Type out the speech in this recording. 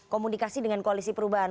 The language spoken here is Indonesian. komunikasi dengan koalisi perubahan